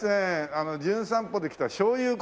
あの『じゅん散歩』で来たしょうゆう